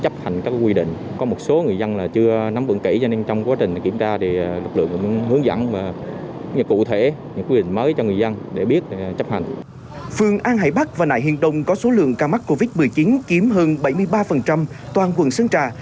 phương an hải bắc và nại hiên đông có số lượng ca mắc covid một mươi chín kiếm hơn bảy mươi ba toàn quận sơn trà